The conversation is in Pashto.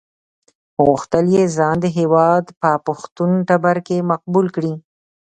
غوښتل یې ځان د هېواد په پښتون ټبر کې مقبول کړي.